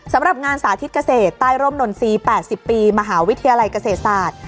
สำหรับงานสาธิตเกษตรใต้ร่มนนทรีย์๘๐ปีมหาวิทยาลัยเกษตรศาสตร์